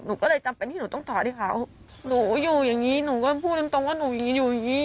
หนูก็เลยจำเป็นที่หนูต้องถอดที่เขาหนูอยู่อย่างงี้หนูก็พูดตรงตรงว่าหนูอย่างงี้อยู่อย่างงี้